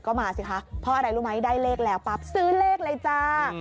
ก็มาสิคะเพราะอะไรรู้ไหมได้เลขแล้วปั๊บซื้อเลขเลยจ้า